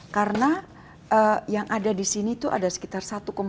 karena yang ada di sini itu ada sekitar satu satu satu empat